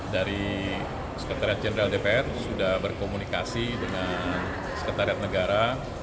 dari sekretariat jenderal dpr sudah berkomunikasi dengan sekretariat negara